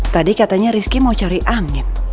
tadi katanya rizky mau cari angin